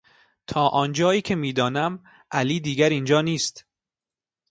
تا آنجایی که میدانم علی دیگر اینجا نیست.